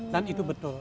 dan itu betul